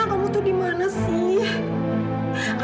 kamu tuh dimana sih